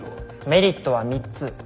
メリットは３つ。